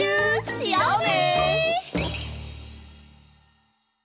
しようね！